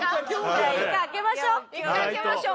じゃあ１回開けましょう。